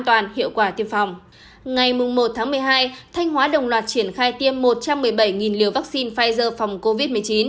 thanh hóa đồng loạt triển khai tiêm một trăm một mươi bảy liều vaccine pfizer phòng covid một mươi chín